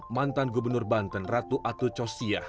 mantan gubernur banten ratu atut cossiah